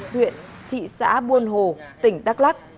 huyện thị xã buôn hồ tỉnh đắk lắc